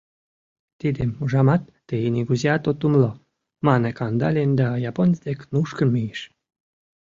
Тидым, ужамат, тый нигузеат от умыло, — мане Кандалин да японец дек нушкын мийыш.